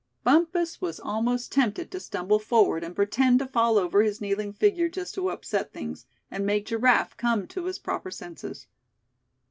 Bumpus was almost tempted to stumble forward, and pretend to fall over his kneeling figure, just to upset things, and make Giraffe come to his proper senses.